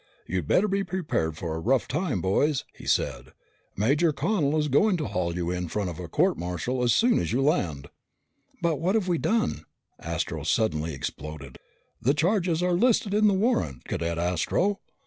"You'd better be prepared for a rough time, boys," he said. "Major Connel is going to haul you in front of a court martial as soon as you land." "But what've we done?" Astro suddenly exploded. "The charges are listed in the warrant, Cadet Astro!"